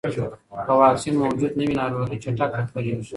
که واکسین موجود نه وي، ناروغي چټکه خپرېږي.